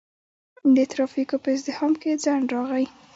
د ترافیکو په ازدحام کې ځنډ راغی.